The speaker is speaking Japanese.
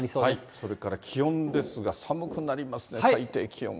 それから気温ですが、寒くなりますね、最低気温が。